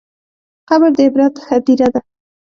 قبر د عبرت هدیره ده.